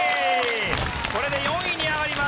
これで４位に上がります。